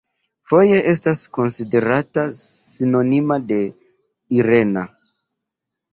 Foje estas konsiderata sinonimo de "Irena".